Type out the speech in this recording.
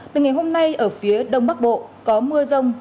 từ ngày hôm nay ở phía đông bắc bộ có mưa rông